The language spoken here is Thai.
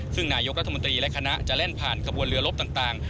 ซึ่งนายกรัฐมนตรีและคณะจะแล่นผ่านขบวนเรือลบต่าง